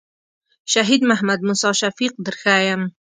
شهید محمد موسی شفیق در ښیم.